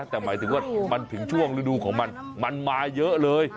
แต่หมายถึงว่ามันถึงช่วงฤดูของมันมันมาเยอะเลย